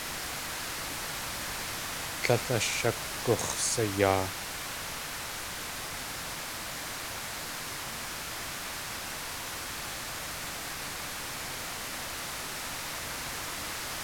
Tlél ashagux̲sayaa.